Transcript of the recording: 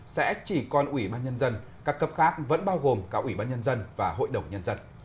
sẽ chỉ còn ủy ban nhân dân các cấp khác vẫn bao gồm cả ủy ban nhân dân và hội đồng nhân dân